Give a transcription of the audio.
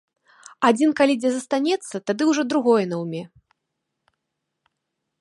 Адзін калі дзе застанецца, тады ўжо другое наўме.